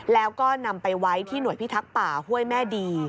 แล้วก็นำไปไว้ที่หน่วยพิทักษ์ป่าห้วยแม่ดี